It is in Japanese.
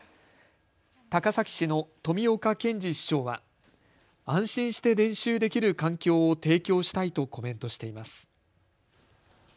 高崎市の富岡賢治市長は安心して練習できる環境を提供したいとコメントしています。